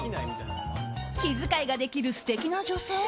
気遣いができる素敵な女性？